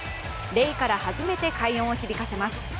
レイから初めて快音を響かせます。